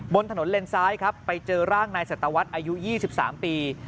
บนถนนเลนซ้ายครับไปเจอร่างนายสัตวรรษอายุ๒๓ปี